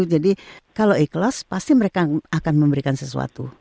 jadi kalau ikhlas pasti mereka akan memberikan sesuatu